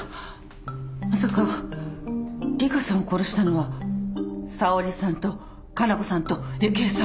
まさか里香さんを殺したのは沙織さんと加奈子さんと雪枝さん。